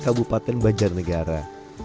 di kabupaten banjaranegara